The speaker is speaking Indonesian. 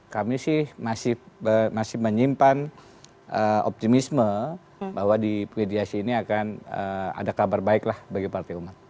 kami sih masih menyimpan optimisme bahwa di mediasi ini akan ada kabar baik lah bagi partai umat